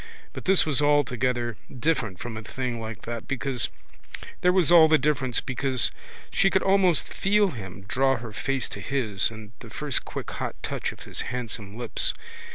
But this was altogether different from a thing like that because there was all the difference because she could almost feel him draw her face to his and the first quick hot touch of his handsome lips.